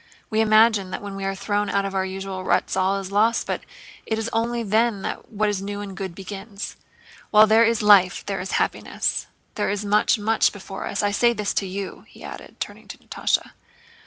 We imagine that when we are thrown out of our usual ruts all is lost, but it is only then that what is new and good begins. While there is life there is happiness. There is much, much before us. I say this to you," he added, turning to Natásha.